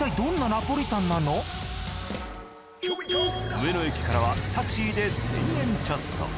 上野駅からはタクシーで１，０００円ちょっと。